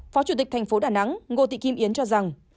phó chủ tịch thành phố đà nẵng ngô tị kim yến cho rằng